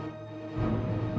aku bukan terperalu